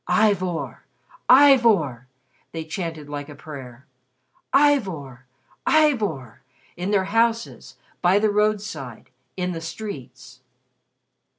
"Ivor! Ivor!" they chanted like a prayer, "Ivor! Ivor!" in their houses, by the roadside, in the streets.